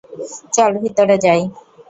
চল ভিতরে যাই।